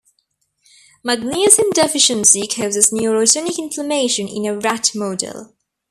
Magnesium deficiency causes neurogenic inflammation in a rat model.